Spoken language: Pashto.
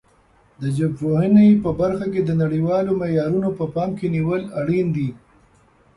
د ژبپوهنې په برخه کې د نړیوالو معیارونو په پام کې نیول اړین دي.